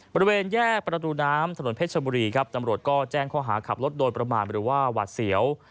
บริเวณแยกประตูน้ำถนนเพชรบุรีครับตำรวจก็แจ้งข้อหาขับรถโดยประมาณหรือว่าหวาดเสียว